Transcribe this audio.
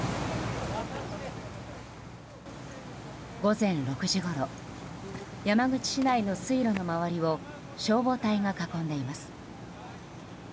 午前６時ごろ山口市内の水路の周りを消防隊が囲んでいます。